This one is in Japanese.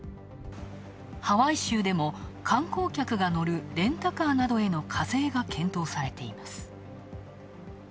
ハワイ州でも観光客がのるレンタカーへの課税が検討されています